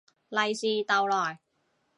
利是逗來